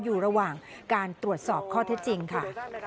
อยู่ระหว่างการตรวจสอบข้อเท็จจริงค่ะ